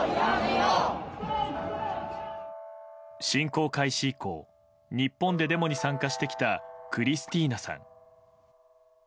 侵攻開始以降日本でデモに参加してきたクリスティーナさん。